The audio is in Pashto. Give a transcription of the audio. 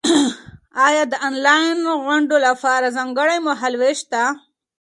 ایا د انلاین غونډو لپاره ځانګړی مهال وېش شته؟